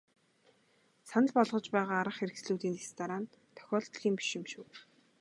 Санал болгож байгаа арга хэрэгслүүдийн дэс дараа нь тохиолдлын биш юм шүү.